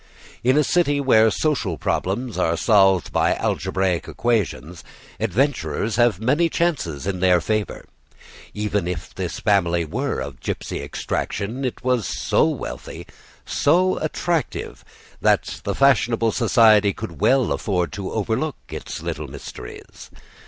In a city where social problems are solved by algebraic equations, adventurers have many chances in their favor. Even if this family were of gypsy extraction, it was so wealthy, so attractive, that fashionable society could well afford to overlook its little mysteries.